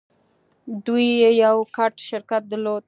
دوی يو ګډ شرکت درلود.